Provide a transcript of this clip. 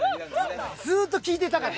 ずっと聞いてたかった。